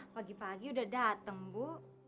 pagi pagi udah datang bu